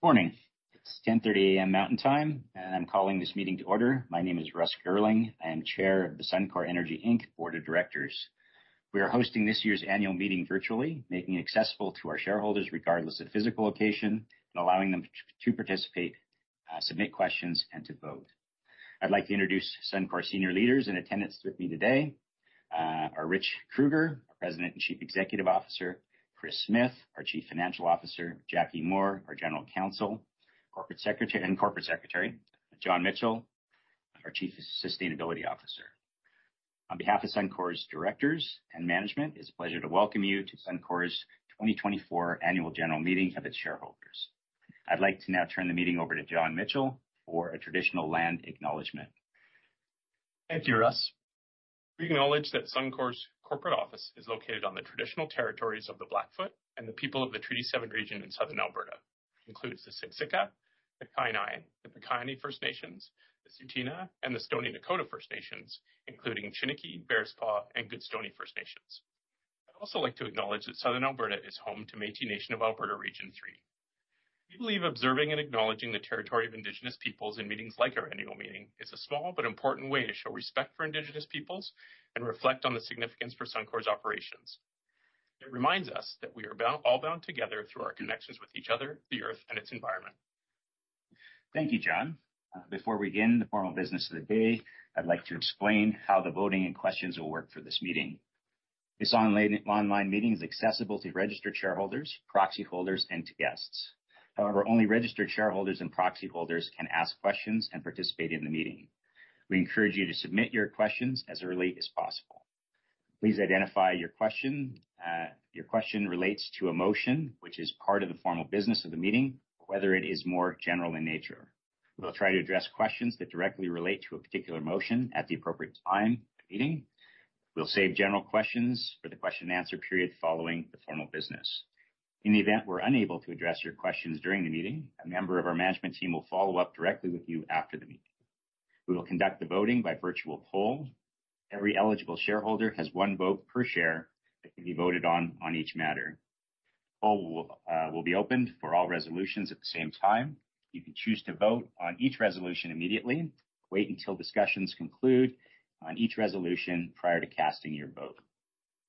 Morning. It's 10:30 A.M. Mountain Time, and I'm calling this meeting to order. My name is Russell Girling. I am Chair of the Suncor Energy Inc. Board of Directors. We are hosting this year's annual meeting virtually, making it accessible to our shareholders regardless of physical location and allowing them to participate, submit questions, and to vote. I'd like to introduce Suncor senior leaders in attendance with me today: Rich Kruger, our President and Chief Executive Officer; Chris Smith, our Chief Financial Officer; Jackie Moore, our General Counsel; and Corporate Secretary John Mitchell, our Chief Sustainability Officer. On behalf of Suncor's directors and management, it is a pleasure to welcome you to Suncor's 2024 annual general meeting of its shareholders. I'd like to now turn the meeting over to John Mitchell for a traditional land acknowledgment. Thank you, Russ. We acknowledge that Suncor's corporate office is located on the traditional territories of the Blackfoot and the people of the Treaty 7 region in Southern Alberta. It includes the Siksika, the Kainai, the Piikani First Nations, the Tsuut'ina, and the Stoney Nakoda First Nations, including Chiniki, Bearspaw, and Goodstoney First Nations. I'd also like to acknowledge that Southern Alberta is home to Métis Nation of Alberta Region 3. We believe observing and acknowledging the territory of Indigenous peoples in meetings like our annual meeting is a small but important way to show respect for Indigenous peoples and reflect on the significance for Suncor's operations. It reminds us that we are all bound together through our connections with each other, the Earth, and its environment. Thank you, John. Before we begin the formal business of the day, I'd like to explain how the voting and questions will work for this meeting. This online meeting is accessible to registered shareholders, proxy holders, and to guests. However, only registered shareholders and proxy holders can ask questions and participate in the meeting. We encourage you to submit your questions as early as possible. Please identify your question. Your question relates to a motion, which is part of the formal business of the meeting, whether it is more general in nature. We'll try to address questions that directly relate to a particular motion at the appropriate time in the meeting. We'll save general questions for the question and answer period following the formal business. In the event we're unable to address your questions during the meeting, a member of our management team will follow up directly with you after the meeting. We will conduct the voting by virtual poll. Every eligible shareholder has one vote per share that can be voted on each matter. The poll will be open for all resolutions at the same time. You can choose to vote on each resolution immediately or wait until discussions conclude on each resolution prior to casting your vote.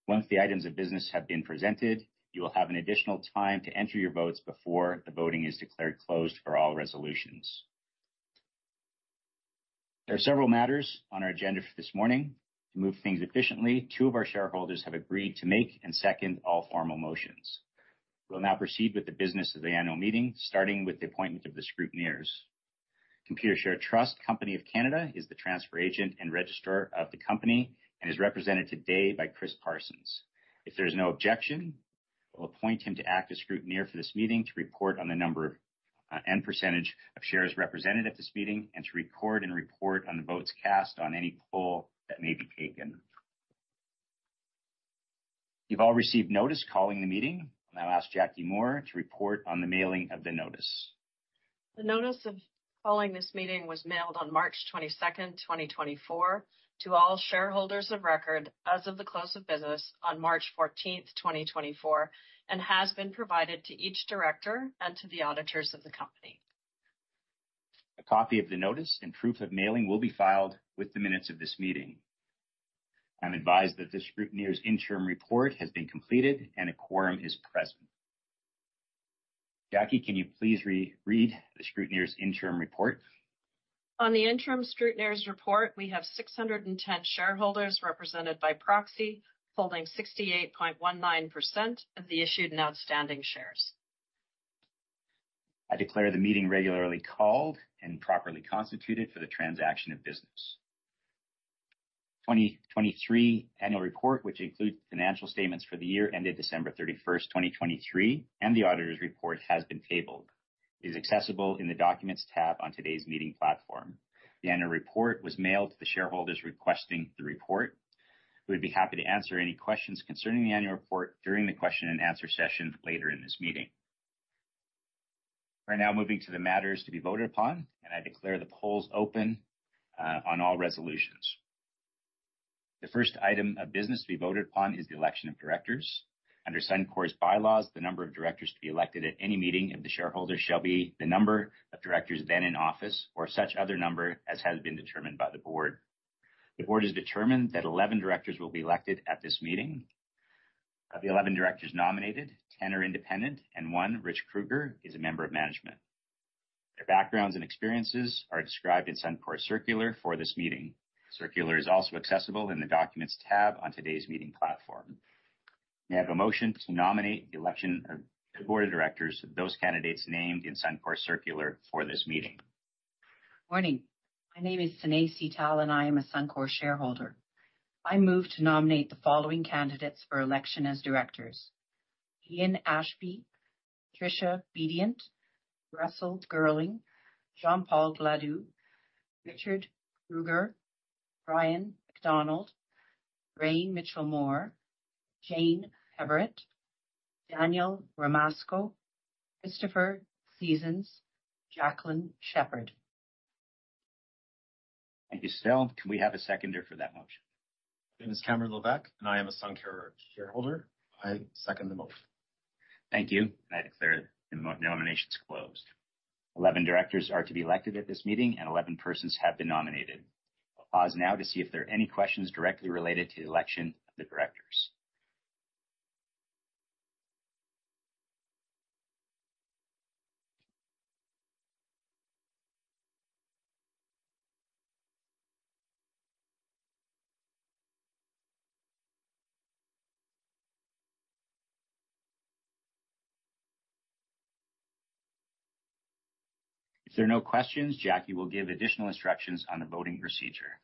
Once the items of business have been presented, you will have additional time to enter your votes before the voting is declared closed for all resolutions. There are several matters on our agenda for this morning. To move things efficiently, two of our shareholders have agreed to make and second all formal motions. We'll now proceed with the business of the annual meeting, starting with the appointment of the scrutineers. Computershare Trust Company of Canada is the transfer agent and registrar of the company and is represented today by Chris Parsons. If there is no objection, we'll appoint him to act as scrutineer for this meeting to report on the number and percentage of shares represented at this meeting and to record and report on the votes cast on any poll that may be taken. You've all received notice calling the meeting. I'll now ask Jackie Moore to report on the mailing of the notice. The notice of calling this meeting was mailed on March 22, 2024, to all shareholders of record as of the close of business on March 14, 2024, and has been provided to each director and to the auditors of the company. A copy of the notice and proof of mailing will be filed with the minutes of this meeting. I'm advised that the scrutineer's interim report has been completed and a quorum is present. Jackie, can you please re-read the scrutineer's interim report? On the interim scrutineer's report, we have 610 shareholders represented by proxy, holding 68.19% of the issued and outstanding shares. I declare the meeting regularly called and properly constituted for the transaction of business. The 2023 annual report, which includes the financial statements for the year ended December 31, 2023, and the auditor's report, has been tabled. It is accessible in the documents tab on today's meeting platform. The annual report was mailed to the shareholders requesting the report. We would be happy to answer any questions concerning the annual report during the question and answer session later in this meeting. We're now moving to the matters to be voted upon, and I declare the polls open on all resolutions. The first item of business to be voted upon is the election of directors. Under Suncor's bylaws, the number of directors to be elected at any meeting of the shareholders shall be the number of directors then in office or such other number as has been determined by the board. The board has determined that 11 directors will be elected at this meeting. Of the 11 directors nominated, 10 are independent and one, Rich Kruger, is a member of management. Their backgrounds and experiences are described in Suncor's circular for this meeting. The circular is also accessible in the documents tab on today's meeting platform. May I have a motion to nominate the election of the board of directors of those candidates named in Suncor's circular for this meeting? Morning. My name is Sinead Setall and I am a Suncor shareholder. I move to nominate the following candidates for election as directors: Ian Ashby, Patricia Bedient, Russell Girling, Jean-Paul Gladu, Rich Kruger, Brian MacDonald, Raine Mitchell-Moore, Jane Hebbert, Daniel Ramasco, Christopher Seasons, Jacqueline Shepherd. Thank you, Setall. Can we have a seconder for that motion? My name is Cameron Leveque and I am a Suncor shareholder. I second the motion. Thank you. I declare the nominations closed. 11 directors are to be elected at this meeting and 11 persons have been nominated. I'll pause now to see if there are any questions directly related to the election of the directors. If there are no questions, Jackie will give additional instructions on the voting procedure.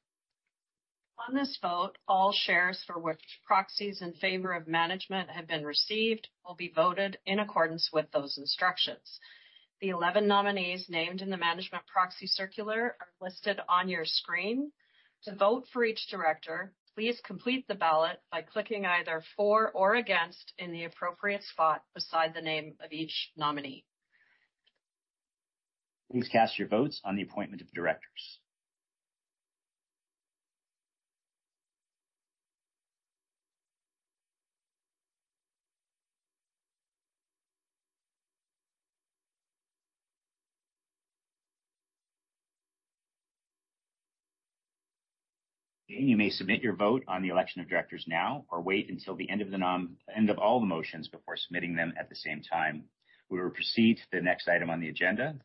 On this vote, all shares for which proxies in favor of management have been received will be voted in accordance with those instructions. The 11 nominees named in the management proxy circular are listed on your screen. To vote for each director, please complete the ballot by clicking either for or against in the appropriate spot beside the name of each nominee. Please cast your votes on the appointment of directors. You may submit your vote on the election of directors now or wait until the end of all the motions before submitting them at the same time. We will proceed to the next item on the agenda.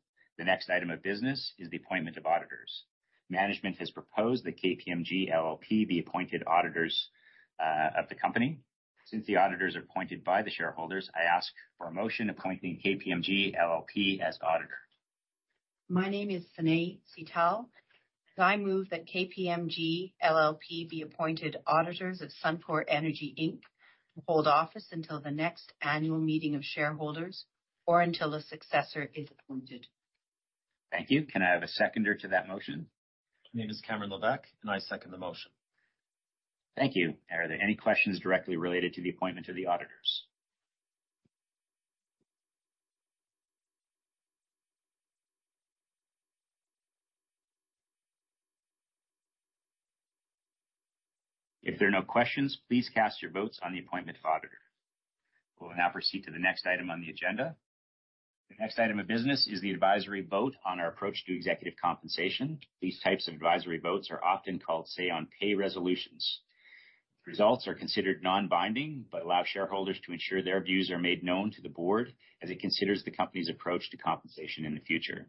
The next item of business is the appointment of auditors. Management has proposed that KPMG LLP be appointed auditors of the company. Since the auditors are appointed by the shareholders, I ask for a motion appointing KPMG LLP as auditor. My name is Sinead Setall and I move that KPMG LLP be appointed auditors of Suncor Energy Inc. to hold office until the next annual meeting of shareholders or until a successor is appointed. Thank you. Can I have a seconder to that motion? My name is Cameron Leveque, and I second the motion. Thank you. Are there any questions directly related to the appointment of the auditors? If there are no questions, please cast your votes on the appointment of auditor. We'll now proceed to the next item on the agenda. The next item of business is the advisory vote on our approach to executive compensation. These types of advisory votes are often called, say, on pay resolutions. The results are considered non-binding, but allow shareholders to ensure their views are made known to the board as it considers the company's approach to compensation in the future.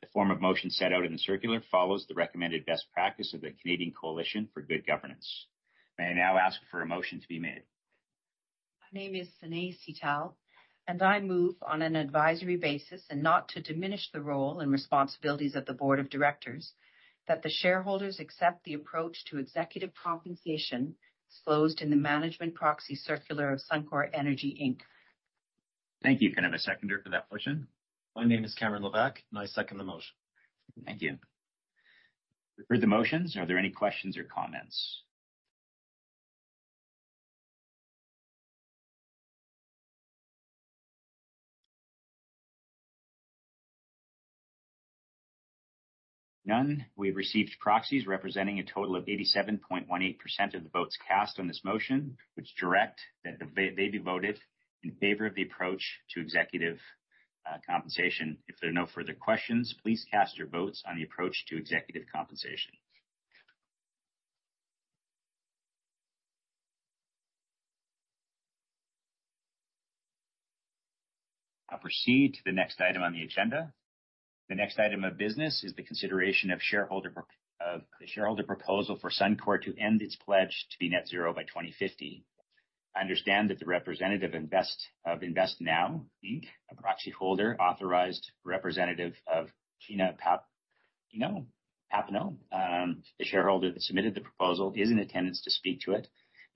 The form of motion set out in the circular follows the recommended best practice of the Canadian Coalition for Good Governance. May I now ask for a motion to be made? My name is Sinead Setall and I move on an advisory basis, and not to diminish the role and responsibilities of the Board of Directors, that the shareholders accept the approach to executive compensation disclosed in the management proxy circular of Suncor Energy Inc. Thank you. Can I have a seconder for that motion? My name is Cameron Leveque, and I second the motion. Thank you. We've heard the motions. Are there any questions or comments? None. We've received proxies representing a total of 87.18% of the votes cast on this motion, which direct that they be voted in favor of the approach to executive compensation. If there are no further questions, please cast your votes on the approach to executive compensation. I'll proceed to the next item on the agenda. The next item of business is the consideration of the shareholder proposal for Suncor Energy Inc. to end its pledge to be net zero by 2050. I understand that the representative of InvestNow Inc., a proxy holder, authorized representative of Gina Papineau, the shareholder that submitted the proposal, is in attendance to speak to it.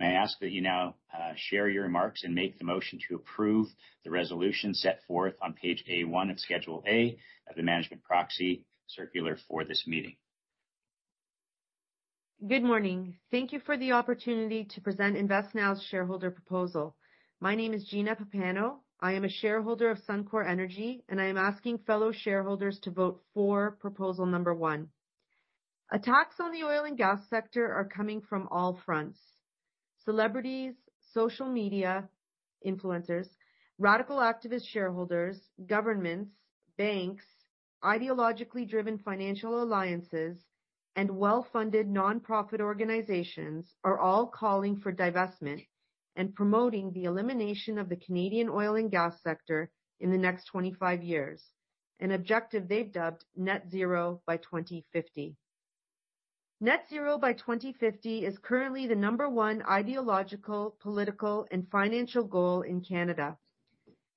May I ask that you now share your remarks and make the motion to approve the resolution set forth on page A1 of Schedule A of the management proxy circular for this meeting? Good morning. Thank you for the opportunity to present InvestNow's shareholder proposal. My name is Gina Papineau. I am a shareholder of Suncor Energy and I am asking fellow shareholders to vote for proposal number one. Attacks on the oil and gas sector are coming from all fronts. Celebrities, social media influencers, radical activist shareholders, governments, banks, ideologically driven financial alliances, and well-funded nonprofit organizations are all calling for divestment and promoting the elimination of the Canadian oil and gas sector in the next 25 years, an objective they've dubbed net zero by 2050. Net zero by 2050 is currently the number one ideological, political, and financial goal in Canada.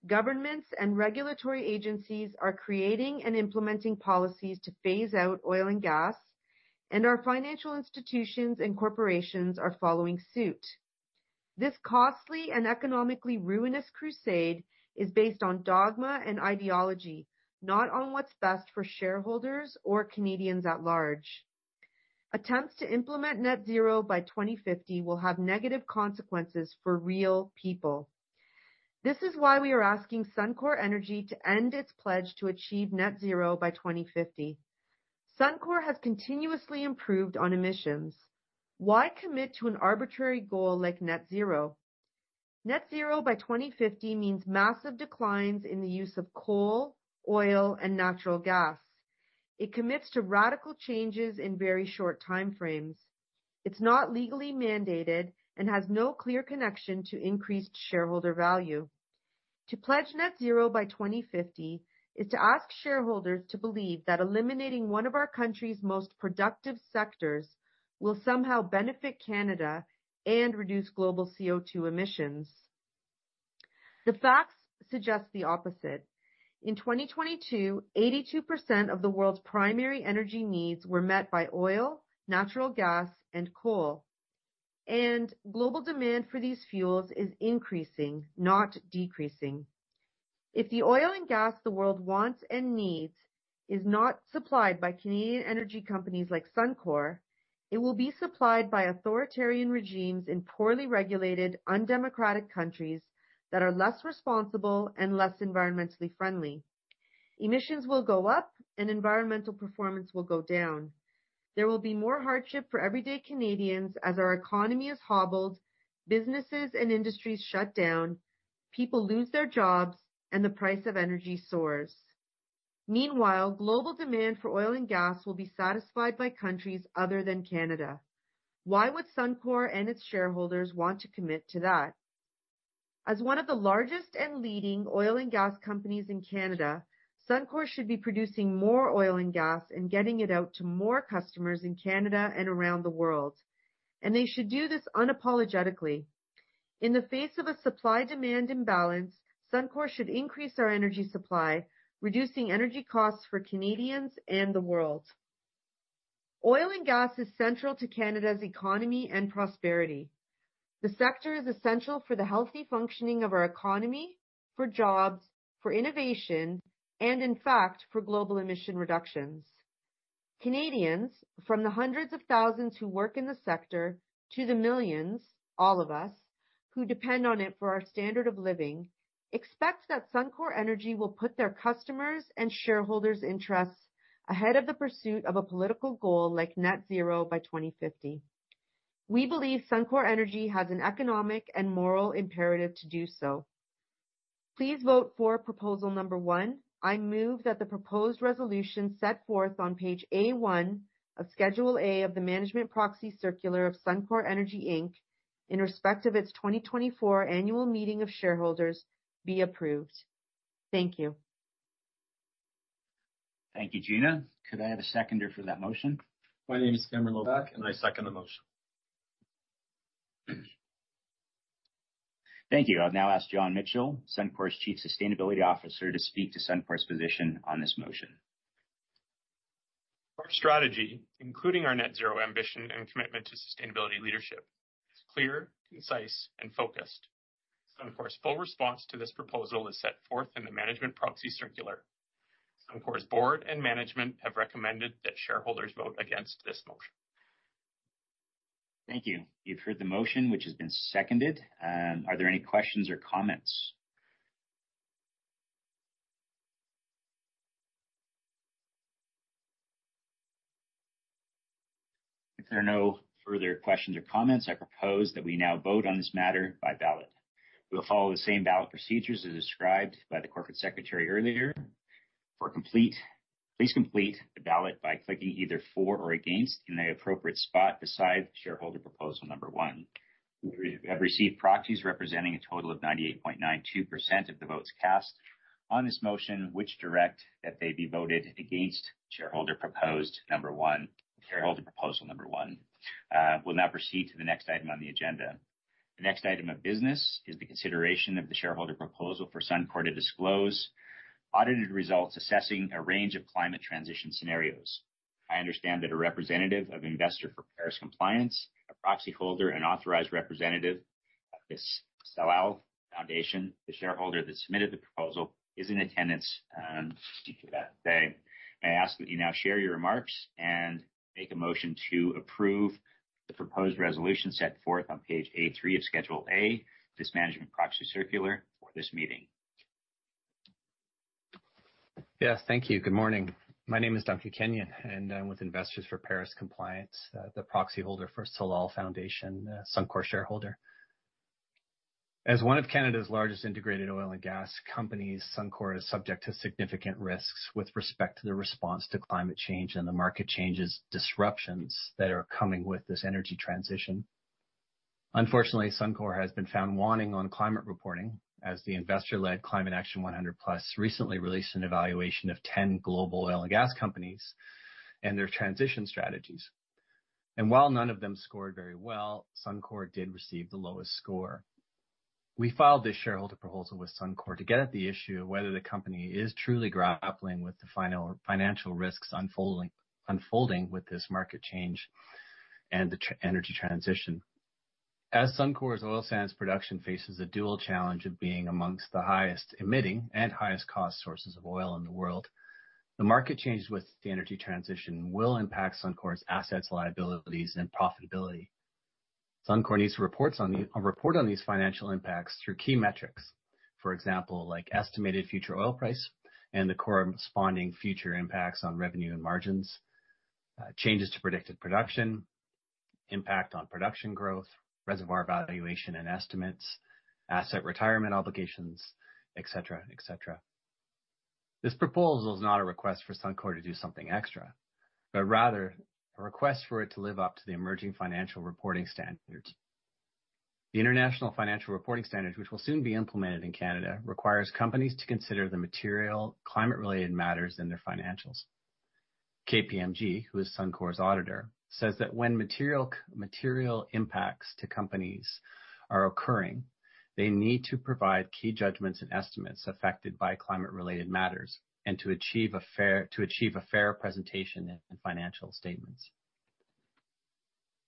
Governments and regulatory agencies are creating and implementing policies to phase out oil and gas, and our financial institutions and corporations are following suit. This costly and economically ruinous crusade is based on dogma and ideology, not on what's best for shareholders or Canadians at large. Attempts to implement net zero by 2050 will have negative consequences for real people. This is why we are asking Suncor Energy to end its pledge to achieve net zero by 2050. Suncor has continuously improved on emissions. Why commit to an arbitrary goal like net zero? Net zero by 2050 means massive declines in the use of coal, oil, and natural gas. It commits to radical changes in very short timeframes. It's not legally mandated and has no clear connection to increased shareholder value. To pledge net zero by 2050 is to ask shareholders to believe that eliminating one of our country's most productive sectors will somehow benefit Canada and reduce global CO2 emissions. The facts suggest the opposite. In 2022, 82% of the world's primary energy needs were met by oil, natural gas, and coal, and global demand for these fuels is increasing, not decreasing. If the oil and gas the world wants and needs is not supplied by Canadian energy companies like Suncor, it will be supplied by authoritarian regimes in poorly regulated, undemocratic countries that are less responsible and less environmentally friendly. Emissions will go up and environmental performance will go down. There will be more hardship for everyday Canadians as our economy is hobbled, businesses and industries shut down, people lose their jobs, and the price of energy soars. Meanwhile, global demand for oil and gas will be satisfied by countries other than Canada. Why would Suncor and its shareholders want to commit to that? As one of the largest and leading oil and gas companies in Canada, Suncor should be producing more oil and gas and getting it out to more customers in Canada and around the world. They should do this unapologetically. In the face of a supply-demand imbalance, Suncor should increase our energy supply, reducing energy costs for Canadians and the world. Oil and gas is central to Canada's economy and prosperity. The sector is essential for the healthy functioning of our economy, for jobs, for innovation, and in fact, for global emission reductions. Canadians, from the hundreds of thousands who work in the sector to the millions, all of us, who depend on it for our standard of living, expect that Suncor Energy will put their customers' and shareholders' interests ahead of the pursuit of a political goal like net zero by 2050. We believe Suncor Energy has an economic and moral imperative to do so. Please vote for proposal number one. I move that the proposed resolution set forth on page A1 of Schedule A of the management proxy circular of Suncor Energy Inc. in respect of its 2024 annual meeting of shareholders be approved. Thank you. Thank you, Gina. Could I have a seconder for that motion? My name is Cameron Leveque and I second the motion. Thank you. I'll now ask John Mitchell, Suncor's Chief Sustainability Officer, to speak to Suncor's position on this motion. Our strategy, including our net zero ambition and commitment to sustainability leadership, is clear, concise, and focused. Suncor's full response to this proposal is set forth in the management proxy circular. Suncor's board and management have recommended that shareholders vote against this motion. Thank you. You've heard the motion, which has been seconded. Are there any questions or comments? If there are no further questions or comments, I propose that we now vote on this matter by ballot. We'll follow the same ballot procedures as described by the Corporate Secretary earlier. Please complete the ballot by clicking either for or against in the appropriate spot beside shareholder proposal number one. We have received proxies representing a total of 98.92% of the votes cast on this motion, which direct that they be voted against shareholder proposal number one. We'll now proceed to the next item on the agenda. The next item of business is the consideration of the shareholder proposal for Suncor to disclose audited results assessing a range of climate transition scenarios. I understand that a representative of Investors for Paris Compliance, a proxy holder and authorized representative of the Salal Foundation, the shareholder that submitted the proposal, is in attendance to speak to that today. May I ask that you now share your remarks and make a motion to approve the proposed resolution set forth on page A3 of Schedule A of this management proxy circular for this meeting? Yes, thank you. Good morning. My name is Dr. Kenyon and I'm with Investors for Paris Compliance, the proxy holder for Salal Foundation, Suncor shareholder. As one of Canada's largest integrated oil and gas companies, Suncor is subject to significant risks with respect to the response to climate change and the market changes disruptions that are coming with this energy transition. Unfortunately, Suncor has been found wanting on climate reporting as the investor-led Climate Action 100+ recently released an evaluation of 10 global oil and gas companies and their transition strategies. While none of them scored very well, Suncor did receive the lowest score. We filed this shareholder proposal with Suncor to get at the issue of whether the company is truly grappling with the financial risks unfolding with this market change and the energy transition. As Suncor's oil sands production faces a dual challenge of being amongst the highest emitting and highest cost sources of oil in the world, the market changes with the energy transition will impact Suncor's assets, liabilities, and profitability. Suncor needs to report on these financial impacts through key metrics. For example, like estimated future oil price and the corresponding future impacts on revenue and margins, changes to predicted production, impact on production growth, reservoir valuation and estimates, asset retirement obligations, etc., etc. This proposal is not a request for Suncor to do something extra, but rather a request for it to live up to the emerging financial reporting standards. The International Financial Reporting Standard, which will soon be implemented in Canada, requires companies to consider the material climate-related matters in their financials. KPMG, who is Suncor's auditor, says that when material impacts to companies are occurring, they need to provide key judgments and estimates affected by climate-related matters and to achieve a fair presentation in financial statements.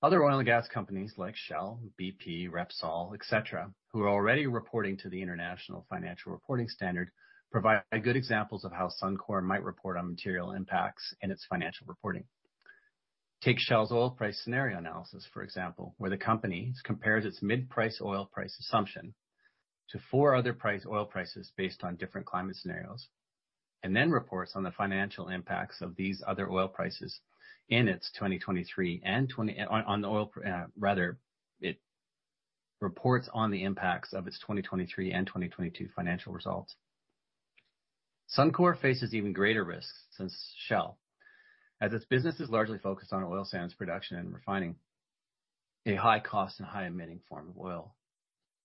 Other oil and gas companies like Shell, BP, Repsol, etc., who are already reporting to the International Financial Reporting Standard, provide good examples of how Suncor might report on material impacts in its financial reporting. Take Shell's oil price scenario analysis, for example, where the company compares its mid-price oil price assumption to four other price oil prices based on different climate scenarios, and then reports on the financial impacts of these other oil prices in its 2023 and on the oil, rather, it reports on the impacts of its 2023 and 2022 financial results. Suncor faces even greater risks than Shell, as its business is largely focused on oil sands production and refining, a high-cost and high-emitting form of oil.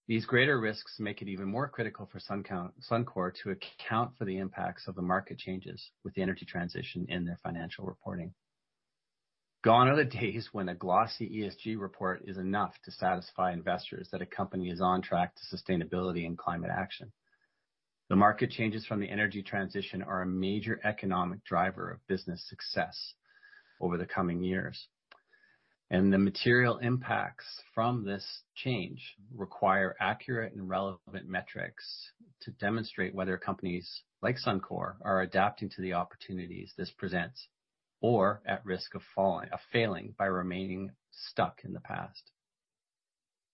These greater risks make it even more critical for Suncor to account for the impacts of the market changes with the energy transition in their financial reporting. Gone are the days when a glossy ESG report is enough to satisfy investors that a company is on track to sustainability and climate action. The market changes from the energy transition are a major economic driver of business success over the coming years. The material impacts from this change require accurate and relevant metrics to demonstrate whether companies like Suncor are adapting to the opportunities this presents or at risk of failing by remaining stuck in the past.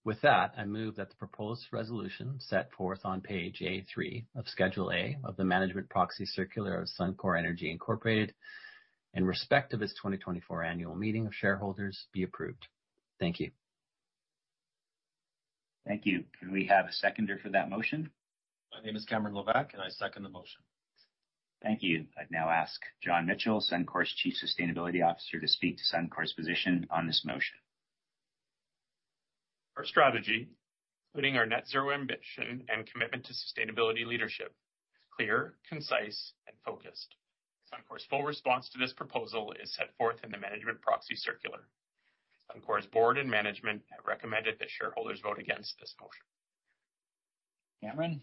With that, I move that the proposed resolution set forth on page A3 of Schedule A of the management proxy circular of Suncor Energy Inc. in respect of its 2024 annual meeting of shareholders be approved. Thank you. Thank you. Can we have a seconder for that motion? My name is Cameron Leveque and I second the motion. Thank you. I'd now ask John Mitchell, Suncor's Chief Sustainability Officer, to speak to Suncor's position on this motion. Our strategy, including our net zero ambition and commitment to sustainability leadership, is clear, concise, and focused. Suncor's full response to this proposal is set forth in the management proxy circular. Suncor's board and management have recommended that shareholders vote against this motion. Cameron,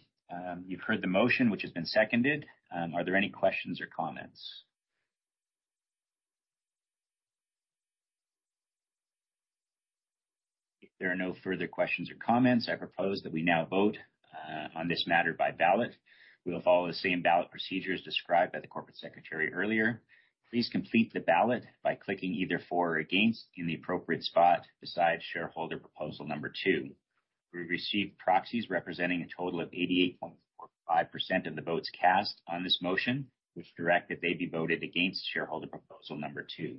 you've heard the motion, which has been seconded. Are there any questions or comments? If there are no further questions or comments, I propose that we now vote on this matter by ballot. We'll follow the same ballot procedures described by the Corporate Secretary earlier. Please complete the ballot by clicking either for or against in the appropriate spot beside shareholder proposal number two. We've received proxies representing a total of 88.45% of the votes cast on this motion, which direct that they be voted against shareholder proposal number two.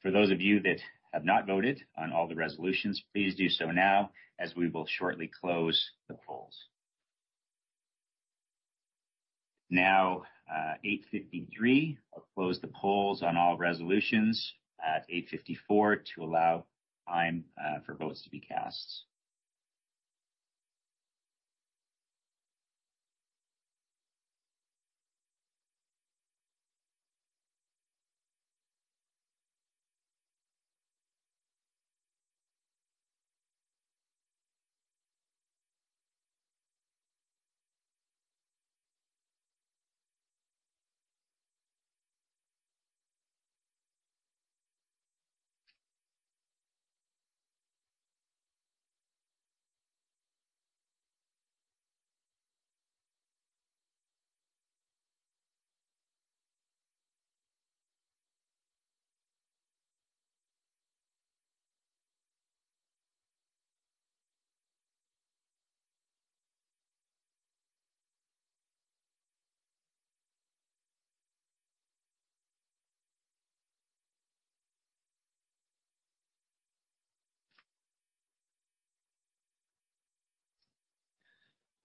For those of you that have not voted on all the resolutions, please do so now as we will shortly close the polls. Now, at 8:53 A.M., I'll close the polls on all resolutions at 8:54 A.M. to allow time for votes to be cast.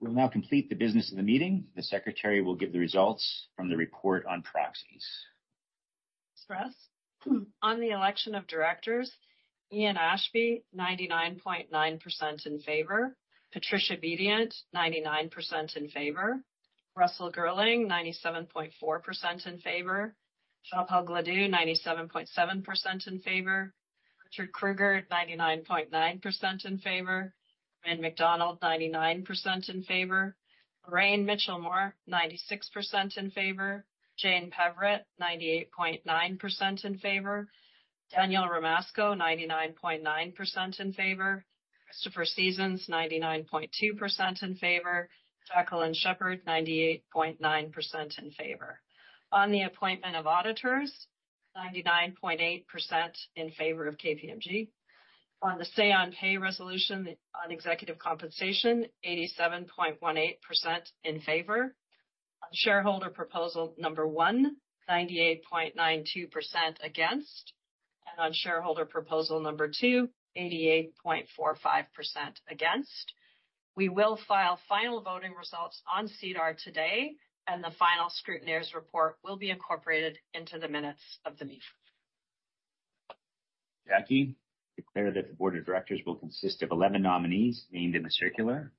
We'll now complete the business of the meeting. The Secretary will give the results from the report on proxies. Stress on the election of directors, Ian Ashby, 99.9% in favor, Patricia Bedient, 99% in favor, Russell Girling, 97.4% in favor, Jean-Paul Gladu, 97.7% in favor, Rich Kruger, 99.9% in favor, Ann McDonald, 99% in favor, Raine Mitchell-Moore, 96% in favor, Jane Hebbert, 98.9% in favor, Daniel Ramasco, 99.9% in favor, Christopher Seasons, 99.2% in favor, Jacqueline Shepherd, 98.9% in favor. On the appointment of auditors, 99.8% in favor of KPMG LLP. On the say on pay resolution on executive compensation, 87.18% in favor. On shareholder proposal number one, 98.92% against, and on shareholder proposal number two, 88.45% against. We will file final voting results on SEDAR today, and the final scrutineer's report will be incorporated into the minutes of the meeting. Jackie, declare that the Board of Directors will consist of 11 nominees named in the circular.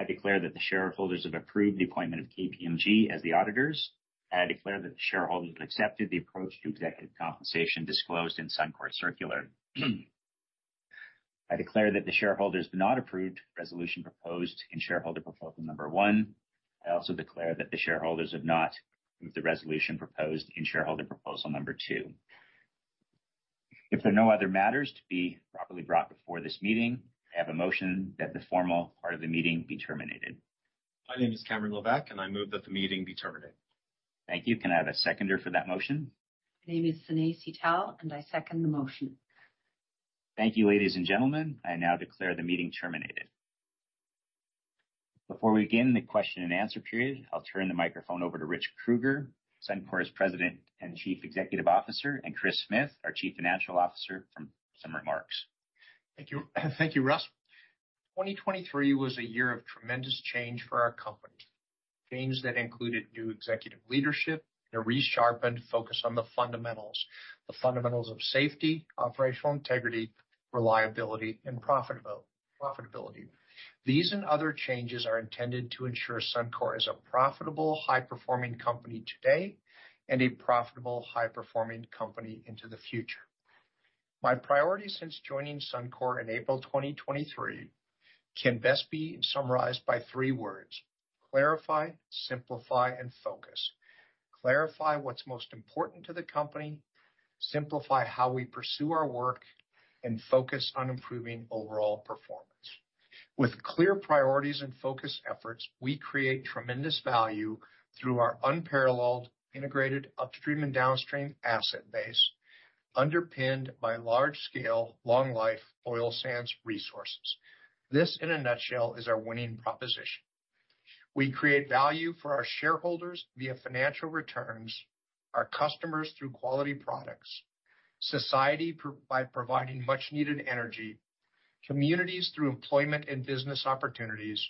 I declare that the shareholders have approved the appointment of KPMG LLP as the auditors, and I declare that the shareholders have accepted the approach to executive compensation disclosed in Suncor's circular. I declare that the shareholders have not approved the resolution proposed in shareholder proposal number one. I also declare that the shareholders have not approved the resolution proposed in shareholder proposal number two. If there are no other matters to be properly brought before this meeting, I have a motion that the formal part of the meeting be terminated. My name is Cameron Leveque, and I move that the meeting be terminated. Thank you. Can I have a seconder for that motion? My name is Sinead Settle and I second the motion. Thank you, ladies and gentlemen. I now declare the meeting terminated. Before we begin the question and answer period, I'll turn the microphone over to Rich Kruger, Suncor's President and Chief Executive Officer, and Chris Smith, our Chief Financial Officer, for some remarks. Thank you. Thank you, Russ. 2023 was a year of tremendous change for our company. Change that included new executive leadership and a resharpened focus on the fundamentals, the fundamentals of safety, operational integrity, reliability, and profitability. These and other changes are intended to ensure Suncor is a profitable, high-performing company today and a profitable, high-performing company into the future. My priorities since joining Suncor in April 2023 can best be summarized by three words: clarify, simplify, and focus. Clarify what's most important to the company, simplify how we pursue our work, and focus on improving overall performance. With clear priorities and focused efforts, we create tremendous value through our unparalleled integrated upstream and downstream asset base, underpinned by large-scale, long-life oil sands resources. This, in a nutshell, is our winning proposition. We create value for our shareholders via financial returns, our customers through quality products, society by providing much-needed energy, communities through employment and business opportunities,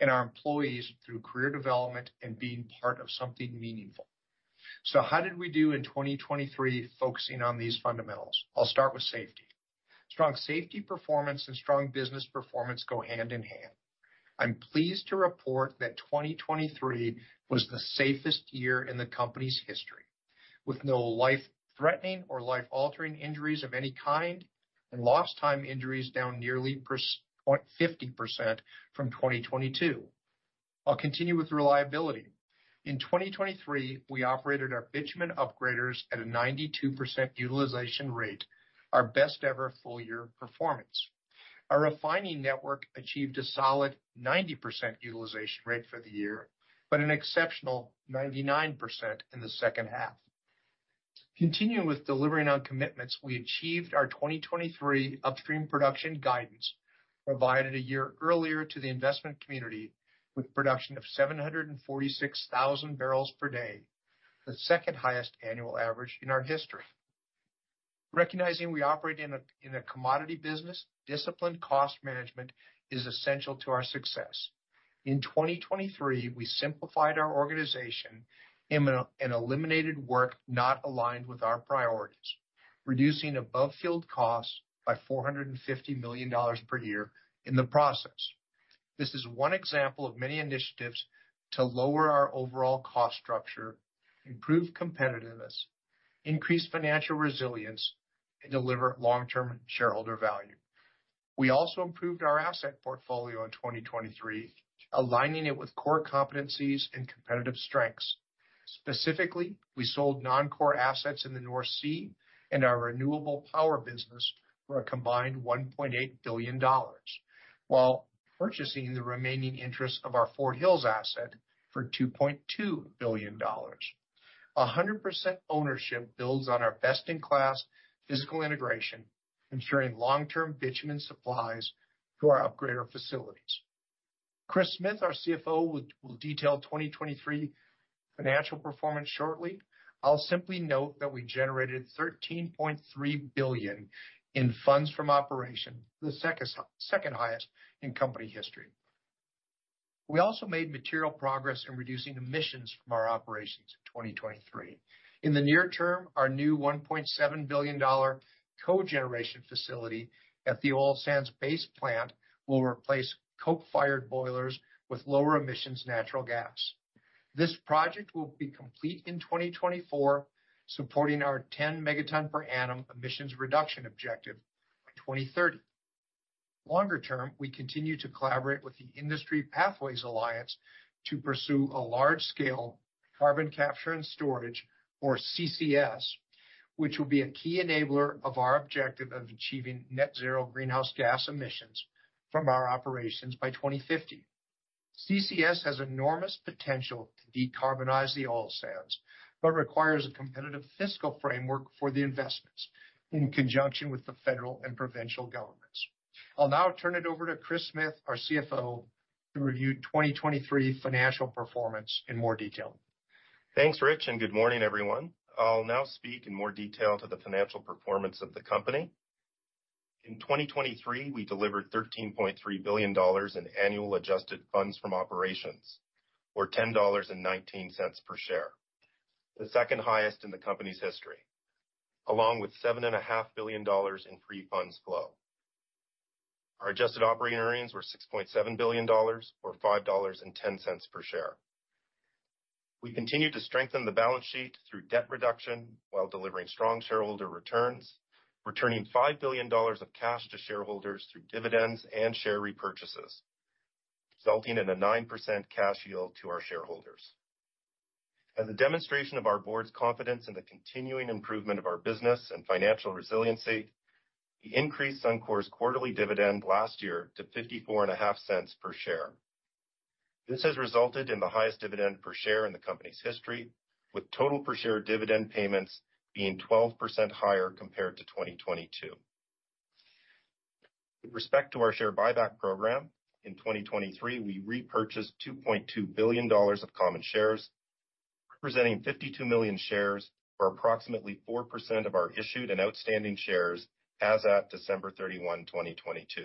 and our employees through career development and being part of something meaningful. How did we do in 2023 focusing on these fundamentals? I'll start with safety. Strong safety performance and strong business performance go hand in hand. I'm pleased to report that 2023 was the safest year in the company's history, with no life-threatening or life-altering injuries of any kind and lost time injuries down nearly 50% from 2022. I'll continue with reliability. In 2023, we operated our bitumen upgraders at a 92% utilization rate, our best-ever full-year performance. Our refining network achieved a solid 90% utilization rate for the year, with an exceptional 99% in the second half. Continuing with delivering on commitments, we achieved our 2023 upstream production guidance, provided a year earlier to the investment community, with production of 746,000 barrels per day, the second highest annual average in our history. Recognizing we operate in a commodity business, disciplined cost management is essential to our success. In 2023, we simplified our organization and eliminated work not aligned with our priorities, reducing above-field costs by $450 million per year in the process. This is one example of many initiatives to lower our overall cost structure, improve competitiveness, increase financial resilience, and deliver long-term shareholder value. We also improved our asset portfolio in 2023, aligning it with core competencies and competitive strengths. Specifically, we sold non-core assets in the North Sea and our renewable power business for a combined $1.8 billion, while purchasing the remaining interest of our Fort Hills asset for $2.2 billion. A 100% ownership builds on our best-in-class physical integration, ensuring long-term bitumen supplies to our upgrader facilities. Chris Smith, our CFO, will detail 2023 financial performance shortly. I'll simply note that we generated 13.3 billion in funds from operations, the second highest in company history. We also made material progress in reducing emissions from our operations in 2023. In the near term, our new $1.7 billion co-generation facility at the oil sands base plant will replace coke-fired boilers with lower emissions natural gas. This project will be complete in 2024, supporting our 10 megaton per annum emissions reduction objective by 2030. Longer term, we continue to collaborate with the Pathways Alliance to pursue a large-scale carbon capture and storage, or CCS, which will be a key enabler of our objective of achieving net zero greenhouse gas emissions from our operations by 2050. CCS has enormous potential to decarbonize the oil sands, but requires a competitive fiscal framework for the investments in conjunction with the federal and provincial governments. I'll now turn it over to Chris Smith, our CFO, to review 2023 financial performance in more detail. Thanks, Rich, and good morning, everyone. I'll now speak in more detail to the financial performance of the company. In 2023, we delivered $13.3 billion in annual adjusted funds from operations, or $10.19 per share, the second highest in the company's history, along with $7.5 billion in free funds flow. Our adjusted operating earnings were $6.7 billion, or $5.10 per share. We continued to strengthen the balance sheet through debt reduction while delivering strong shareholder returns, returning $5 billion of cash to shareholders through dividends and share repurchases, resulting in a 9% cash yield to our shareholders. As a demonstration of our Board's confidence in the continuing improvement of our business and financial resiliency, we increased Suncor's quarterly dividend last year to $0.5450 per share. This has resulted in the highest dividend per share in the company's history, with total per share dividend payments being 12% higher compared to 2022. With respect to our share buyback program, in 2023, we repurchased $2.2 billion of common shares, representing 52 million shares for approximately 4% of our issued and outstanding shares as at December 31, 2022.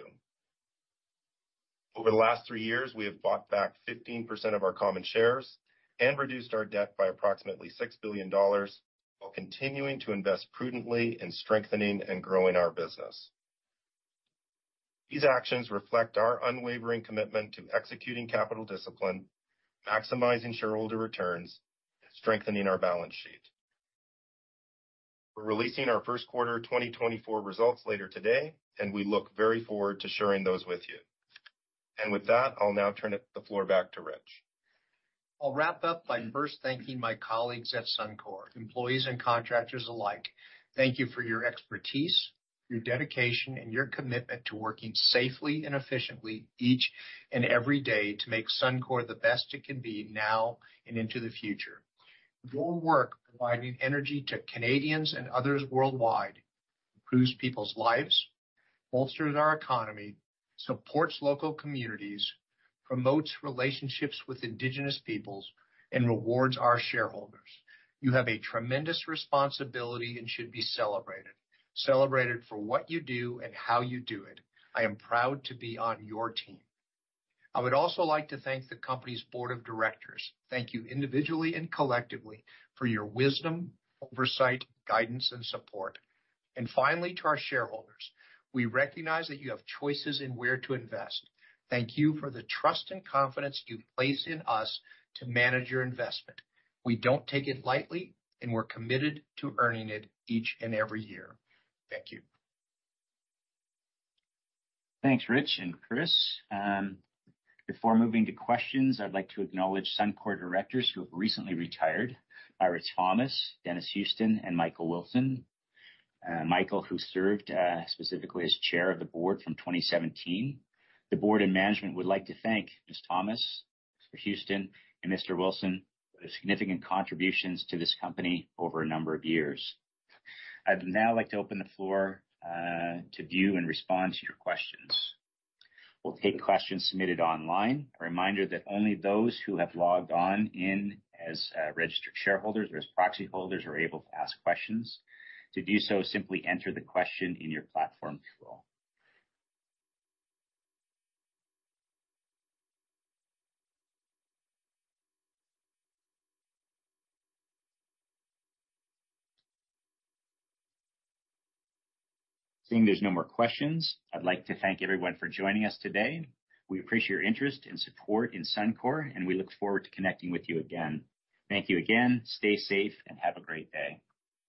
Over the last three years, we have bought back 15% of our common shares and reduced our debt by approximately $6 billion while continuing to invest prudently in strengthening and growing our business. These actions reflect our unwavering commitment to executing capital discipline, maximizing shareholder returns, and strengthening our balance sheet. We're releasing our first quarter 2024 results later today, and we look very forward to sharing those with you. I'll now turn the floor back to Rich. I'll wrap up by first thanking my colleagues at Suncor, employees and contractors alike. Thank you for your expertise, your dedication, and your commitment to working safely and efficiently each and every day to make Suncor the best it can be now and into the future. Your work providing energy to Canadians and others worldwide improves people's lives, bolsters our economy, supports local communities, promotes relationships with Indigenous peoples, and rewards our shareholders. You have a tremendous responsibility and should be celebrated, celebrated for what you do and how you do it. I am proud to be on your team. I would also like to thank the company's Board of Directors. Thank you individually and collectively for your wisdom, oversight, guidance, and support. Finally, to our shareholders, we recognize that you have choices in where to invest. Thank you for the trust and confidence you place in us to manage your investment. We don't take it lightly, and we're committed to earning it each and every year. Thank you. Thanks, Rich and Chris. Before moving to questions, I'd like to acknowledge Suncor directors who have recently retired: Ira Thomas, Dennis Houston, and Michael Wilson, Michael, who served specifically as Chair of the Board from 2017. The Board and management would like to thank Ms. Thomas, Mr. Houston, and Mr. Wilson for their significant contributions to this company over a number of years. I'd now like to open the floor to view and respond to your questions. We'll take questions submitted online. A reminder that only those who have logged on as registered shareholders or as proxy holders are able to ask questions. To do so, simply enter the question in your platform tool. Seeing there's no more questions, I'd like to thank everyone for joining us today. We appreciate your interest and support in Suncor, and we look forward to connecting with you again. Thank you again. Stay safe and have a great day.